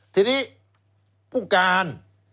ทีนี้ผู้การ